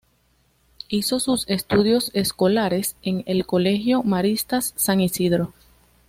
Hizo sus estudios escolares en el Colegio Maristas San Isidro.